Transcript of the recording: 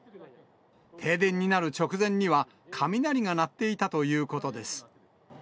停電になる直前には、雷が鳴っていたということです。